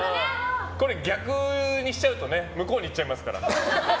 逆にしちゃうと向こうに行っちゃいますから。